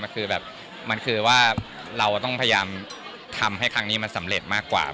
คือแบบมันคือว่าเราต้องพยายามทำให้ครั้งนี้มันสำเร็จมากกว่า